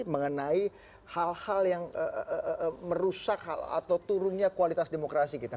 mengenai hal hal yang merusak atau turunnya kualitas demokrasi kita